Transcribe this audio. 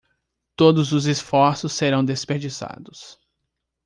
Todos os esforços serão desperdiçados